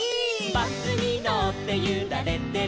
「バスにのってゆられてる」